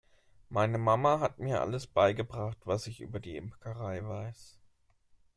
Meine Mama hat mir alles beigebracht, was ich über die Imkerei weiß.